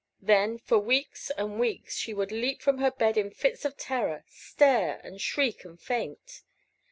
Then, for weeks and weeks, she would leap from her bed in fits of terror, stare, and shriek and faint.